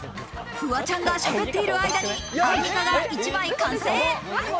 フワちゃんがしゃべっている間にアンミカが一枚完成。